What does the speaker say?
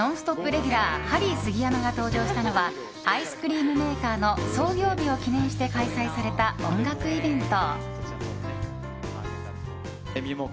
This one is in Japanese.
レギュラーハリー杉山が登場したのはアイスクリームメーカーの創業日を記念して開催された音楽イベント。